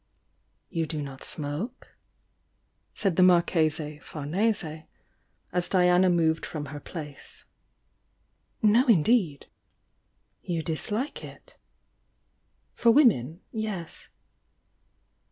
"You do not smoke?" said the Marchese Famese, as Diana moved from her place. "No, indeed!" "You dislike it?" "For women, — yes."